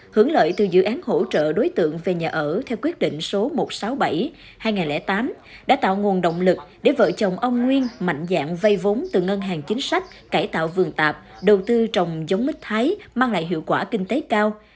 hưởng lợi từ dự án hỗ trợ đối tượng về nhà ở theo quyết định số một trăm sáu mươi bảy hai nghìn tám đã tạo nguồn động lực để vợ chồng ông nguyên mạnh dạng vây vốn từ ngân hàng chính sách cải tạo vườn tạp đầu tư trồng giống mít thái mang lại hiệu quả kinh tế cao